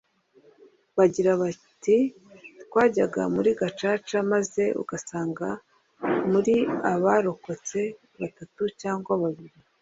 Bagira bati “twajyaga muri gacaca maze ugasanga muri abarokotse batatu cyangwa babiri